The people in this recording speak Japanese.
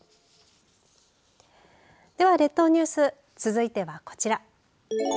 では列島ニュース続いてはこちら。